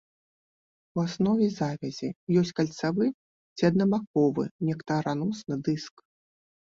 У аснове завязі ёсць кальцавы ці аднабаковы нектараносны дыск.